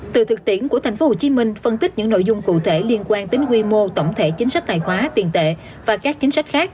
từ thực tiễn của tp hcm phân tích những nội dung cụ thể liên quan đến quy mô tổng thể chính sách tài khoá tiền tệ và các chính sách khác